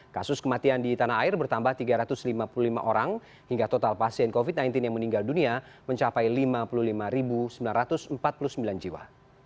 kasus kematian di tanah air bertambah tiga ratus lima puluh lima orang hingga total pasien covid sembilan belas yang meninggal dunia mencapai lima puluh lima sembilan ratus empat puluh sembilan jiwa